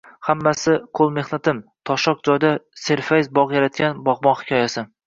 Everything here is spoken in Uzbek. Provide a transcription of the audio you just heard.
“Hammasi – qo‘l mehnatim” - toshloq joyda serfayz bog‘ yaratgan bog‘bon hikoyasi